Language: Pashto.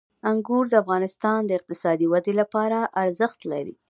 انګور د افغانستان د اقتصادي ودې لپاره ارزښت لري.